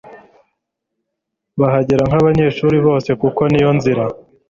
bahagera nk'abanyeshuri bose kuko niyo nzira